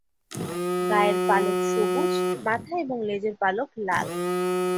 গায়ের পালক সবুজ, মাথা এবং লেজের পালক লাল।